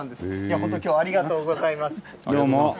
本当にきょうはありがとうございます。